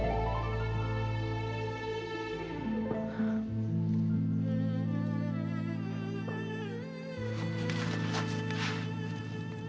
terima kasih juga pak